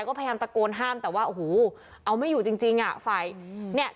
ก็พยายามตะโกนห้ามแต่ว่าโอ้โหเอาไม่อยู่จริงจริงอ่ะฝ่ายเนี่ย